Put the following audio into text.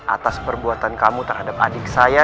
atas perbuatan kamu terhadap adik saya